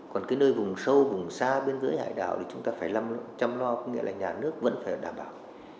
còn nơi vùng sâu vùng xa bên dưới hải đảo thì chúng ta phải lâm lượng chăm lo nghĩa là nhà nước vẫn phải đảm bảo